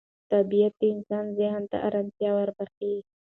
طبیعت د انسان ذهن ته ارامتیا وربخښي